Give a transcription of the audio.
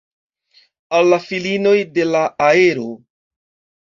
Al la filinoj de la aero!